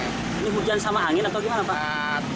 ini hujan sama angin atau gimana pak